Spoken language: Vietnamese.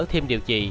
thêm điều trị